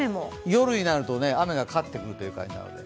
夜になると雨が勝ってくるという感じ。